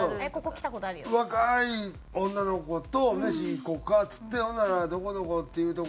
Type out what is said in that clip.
若い女の子と「飯行こうか」っつって「ほんならどこどこっていう所」